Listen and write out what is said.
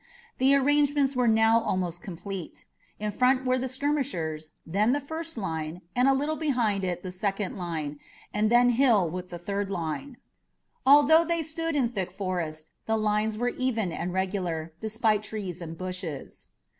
The arrangements were now almost complete. In front were the skirmishers, then the first line, and a little behind it the second line, and then Hill with the third line. Although they stood in thick forest, the lines were even and regular, despite trees and bushes.